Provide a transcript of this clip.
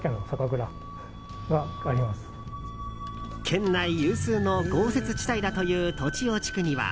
県内有数の豪雪地帯だという栃尾地区には